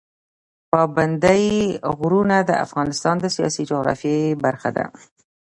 پابندی غرونه د افغانستان د سیاسي جغرافیه برخه ده.